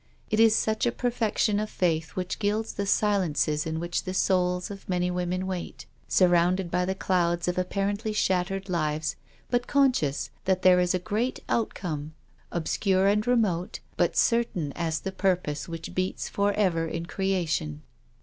It is such a perfec tion of faith which gilds the silences in which the souls of many women wait, surrounded by the clouds of apparently shattered lives, but conscious that there is a great outcome, obscure and re mote, but certain as the purpose which beats for ever in Creation.